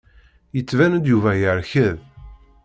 Yettban-d Yuba yerked.